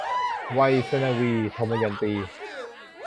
ไวษณวี - ทมยันตี